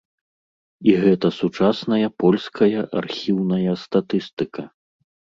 І гэта сучасная польская архіўная статыстыка.